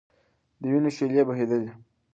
د وینو شېلې بهېدلې.